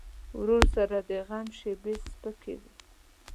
ورور سره د غم شیبې سپکې وي.